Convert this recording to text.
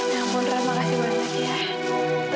ya ampun rana makasih banyak ya